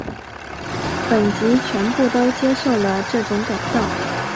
本级全部都接受了这种改造。